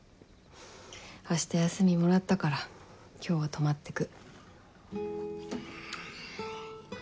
明日休みもらったから今日は泊まってく。